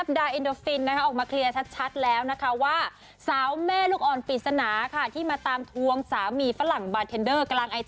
ปกติเนี่ยเขาตามหาฉา